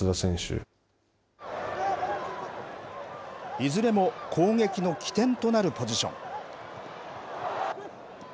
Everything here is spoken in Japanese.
いずれも攻撃の起点となるポジション。